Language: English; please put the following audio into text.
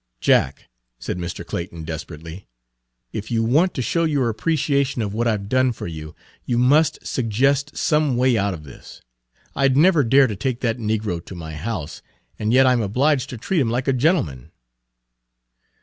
"Jack," said Mr. Clayton desperately, "if you want to show your appreciation of what Page 119 I 've done for you, you must suggest some way out of this. I'd never dare to take that negro to my house, and yet I 'm obliged to treat him like a gentleman."